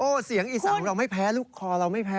เสียงอีสานของเราไม่แพ้ลูกคอเราไม่แพ้